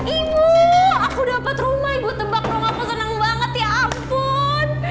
ibu aku dapet rumah ibu tebak rumahku seneng banget ya ampun